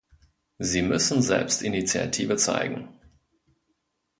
Sie müssen selbst Initiative zeigen.